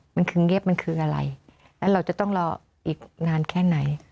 มันคือเงียบมันคืออะไรแล้วเราจะต้องรออีกนานแค่ไหน